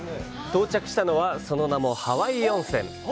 到着したのは、その名も「はわい温泉」。